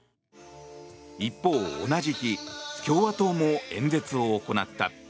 一方、同じ日共和党も演説を行った。